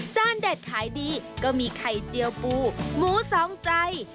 จ้านแดดขายดีก็มีไข่เจียวปูหมูสอบหรือแบบนี้